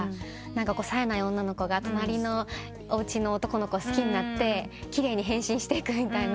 さえない女の子が隣のおうちの男の子好きになって奇麗に変身していくみたいな。